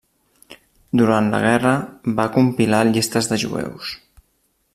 Durant la guerra va compilar llistes de jueus.